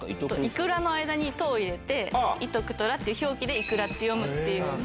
「いくら」の間に「と」を入れて「いとくとら」っていう表記で「いくら」って読むっていう。